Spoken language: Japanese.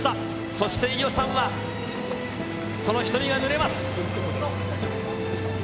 そして伊代さんは、その瞳がぬれます。